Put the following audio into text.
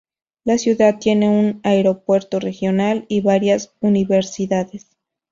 La ciudad tiene un aeropuerto regional y varias universidades.